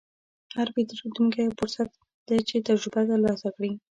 هر پیرودونکی یو فرصت دی چې تجربه ترلاسه کړې.